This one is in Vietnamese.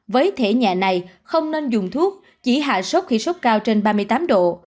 với thể nhà này không nên dùng thuốc chỉ hạ sốt khi sốt cao trên ba mươi tám độ